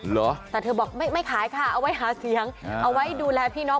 เหรอแต่เธอบอกไม่ขายค่ะเอาไว้หาเสียงเอาไว้ดูแลพี่น้อง